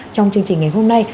trong chương trình ngày hôm nay